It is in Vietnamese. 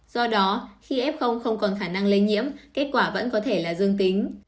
do đó khi f không còn khả năng lây nhiễm kết quả vẫn có thể là dương tính